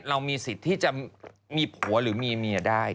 เรามีสิทธิ์ที่จะมีผัวหรือมีเมียได้